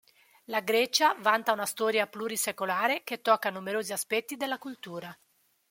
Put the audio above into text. La Grecia vanta una storia plurisecolare che tocca numerosi aspetti della cultura.